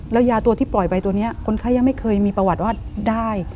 แล้วยาตัวที่ปล่อยไปตัวนี้คนไข้ยังไม่เคยมีประวัติว่าได้